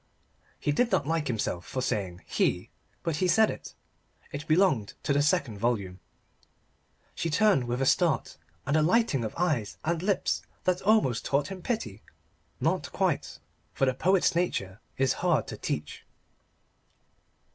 He did not like himself for saying "he" but he said it. It belonged to the second volume. She turned with a start and a lighting of eyes and lips that almost taught him pity. Not quite: for the poet's nature is hard to teach.